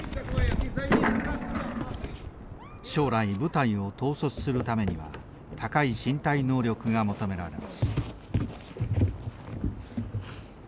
将来部隊を統率するためには高い身体能力が求められます。